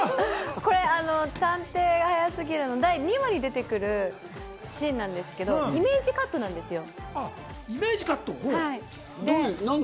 これ『探偵が早すぎる』の第２話に出てくるシーンなんですけど、イメージカットなんですよ。